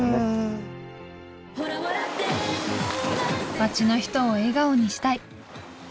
町の人を笑顔にしたい。